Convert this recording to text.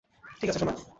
ঠিক আছে, সোনা।